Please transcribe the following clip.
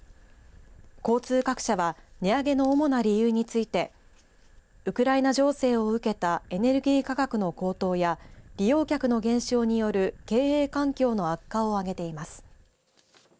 交通各社は値上げの主な理由についてウクライナ情勢を受けたエネルギー価格の高騰や利用客の減少による経営環境の悪化を挙げています。